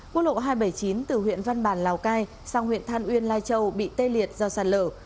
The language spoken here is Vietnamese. quốc lộ hai trăm bảy mươi chín từ huyện văn bàn lào cai sang huyện than uyên lai châu bị tê liệt do sạt lở